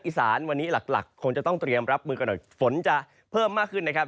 อีสานวันนี้หลักหลักคงจะต้องเตรียมรับมือกันหน่อยฝนจะเพิ่มมากขึ้นนะครับ